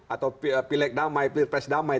atau pilihan damai pilihan pes damai